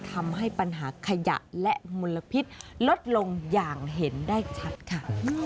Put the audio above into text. ทำให้ปัญหาขยะและมลพิษลดลงอย่างเห็นได้ชัดค่ะ